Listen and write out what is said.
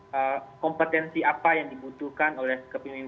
nah kompetensi apa yang dibutuhkan oleh kepemimpinan